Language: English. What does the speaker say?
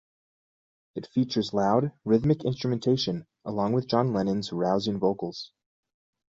It features loud, rhythmic instrumentation, along with John Lennon's rousing vocals.